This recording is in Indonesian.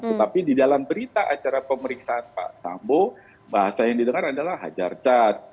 tetapi di dalam berita acara pemeriksaan pak sambo bahasa yang didengar adalah hajar cat